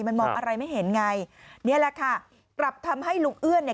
มันมองอะไรไม่เห็นไงนี่แหละค่ะกลับทำให้ลุงเอื้อนเนี่ย